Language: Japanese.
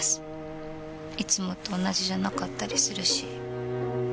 いつもと同じじゃなかったりするし。